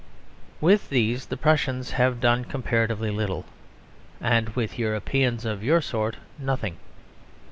With these the Prussians have done comparatively little; and with Europeans of your sort nothing.